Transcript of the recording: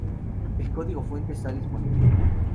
El código fuente está disponible.